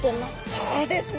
そうですね。